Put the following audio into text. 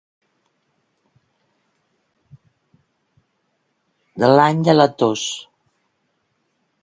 De l'any de la tos.